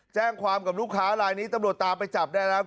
แจ้งความกับลูกค้าลายนี้ตำรวจตามไปจับได้แล้ว